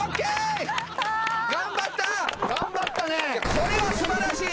これは素晴らしい。